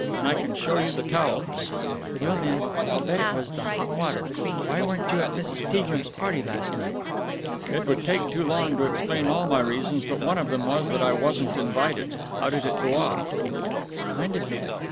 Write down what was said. And I can show you the towel." "Well, then, I'll bet it was the hot water. Why weren't you at Mrs. Peagrim's party last night?" "It would take too long to explain all my reasons, but one of them was that I wasn't invited. How did it go off?" "Splendidly.